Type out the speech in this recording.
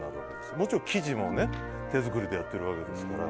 もちろん生地も手作りでやってるわけですから。